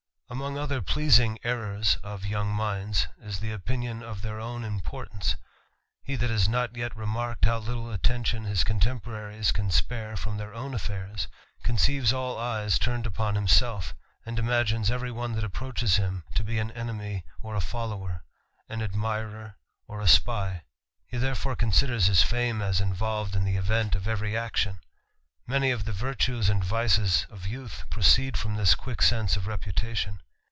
Among other pleasing errours of young minds , is the opmion of th ei r own importan ce. He that has not yet remarked how little attention his contemporaries can spare from their own affairs, ^conceives all eyes turned upon liini5eH and imagines every one that approaches him to be an enemy or a follower, an admirer or a spy. He therefore considers his fame as involved in the event of every action. i jany of th^ykty.es and vices of youth proceed from this qnick sense of reputation.